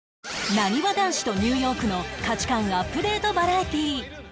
なにわ男子とニューヨークの価値観アップデートバラエティー